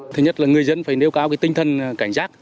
thứ nhất là người dân phải nêu cáo tinh thần cảnh giác